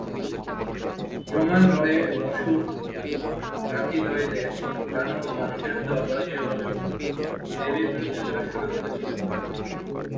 ব্রহ্মার বরে অসুর ভ্রাতৃদ্বয় দেব, দানব ও মানুষের হাতে অপরাজেয় হলেও, দেবীর বিরুদ্ধে তারা সুরক্ষিত ছিলেন না।